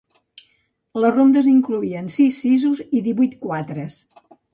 Les rondes incloïen sis sisos i divuit quatres.